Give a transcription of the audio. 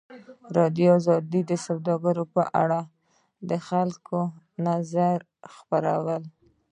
ازادي راډیو د سوداګري په اړه د خلکو نظرونه خپاره کړي.